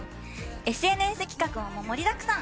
ＳＮＳ企画も盛りだくさん。